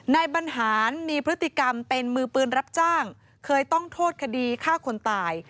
นายบรรหารมีพฤติกรรมเป็นมือปืนรับจ้างเคยต้องโทษคดีฆ่าคนตาย